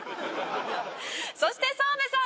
そして澤部さん